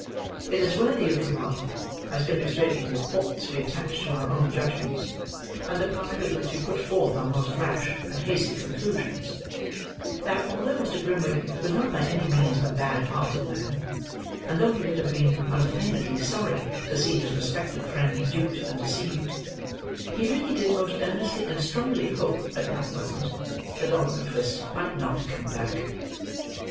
It is worthy of remark, as illustrating the importance we attach to our own judgments, and the pride with which we put forth our most rash and hasty conclusions, that, although Mr. Grimwig was not by any means a bad hearted man, and though he would have been unfeignedly sorry to see his respected friend duped and deceived, he really did most earnestly and strongly hope at that moment, that Oliver Twist might not come back.